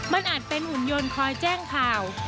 มันอาจเป็นหุ่นยนต์คอยแจ้งข่าว